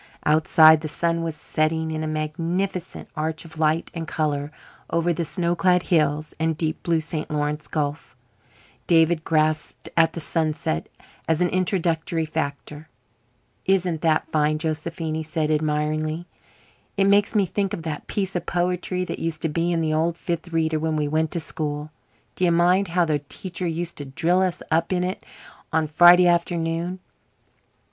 Outside the sun was setting in a magnificent arch of light and colour over the snow clad hills and deep blue St. Lawrence gulf. David grasped at the sunset as an introductory factor. "Isn't that fine, Josephine?" he said admiringly. "It makes me think of that piece of poetry that used to be in the old Fifth Reader when we went to school. D'ye mind how the teacher used to drill us up in it on Friday afternoons?